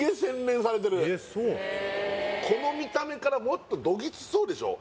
この見た目からもっとドぎつそうでしょ？